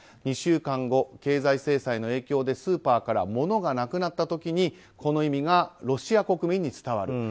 ２週間後、経済制裁の影響でスーパーから物がなくなった時にこの意味がロシア国民に伝わる。